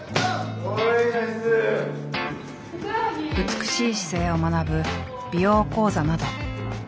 美しい姿勢を学ぶ美容講座など。